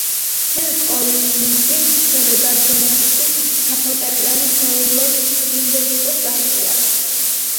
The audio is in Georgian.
ფილ კოლინზი მღეროდა ბენქსის საფორტეპიანო სოლოს იდენტურ პარტიას.